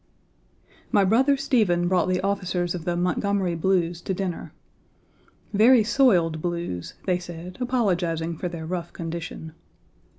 My brother Stephen brought the officers of the "Montgomery Blues" to dinner. "Very soiled Blues," they said, apologizing for their rough condition.